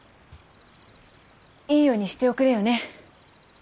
いい世にしておくれよね！